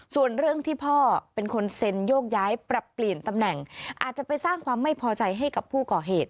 ส่วนเรื่องที่พ่อเป็นคนเซ็นโยกย้ายปรับเปลี่ยนตำแหน่งอาจจะไปสร้างความไม่พอใจให้กับผู้ก่อเหตุ